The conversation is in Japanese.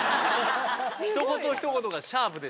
ひと言、ひと言がシャープで